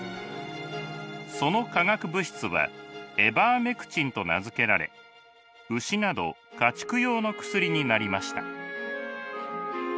その化学物質はエバーメクチンと名付けられ牛など家畜用の薬になりました。